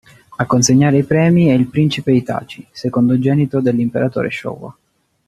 A consegnare i Premi è il Principe Hitachi, secondogenito dell'Imperatore Showa.